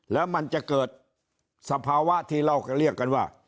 แล้วมันจะเกิดสภาวะที่เราก็เรียกกันว่า